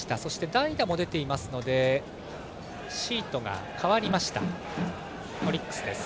代打も出ていますのでシートが変わりましたオリックスです。